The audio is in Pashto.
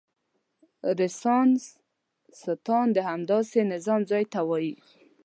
رنسانستان د همداسې نظام ځای ته وايي.